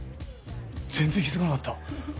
全然気付かなかった！